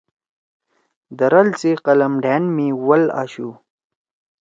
درال سی قلم ڈھأن می ول آشُو۔